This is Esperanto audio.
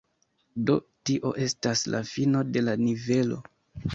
Do tio estas la fino de la nivelo.